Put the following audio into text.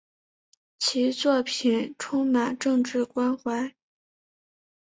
其作品充满政治关怀。